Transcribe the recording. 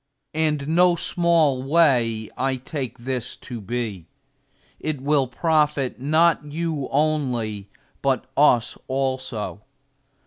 And no small way I take this to be; it will profit not you only, but us also.